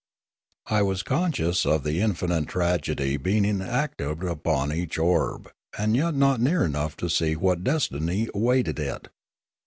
I was conscious of the infinite tragedy being enacted upon each orb, and yet not near enough to see what destiny awaited it.